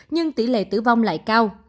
nhưng tỉ lệ tử vong lại cao